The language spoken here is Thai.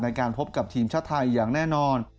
ในการพบกับทีมชาติไทยอย่างแน่นอน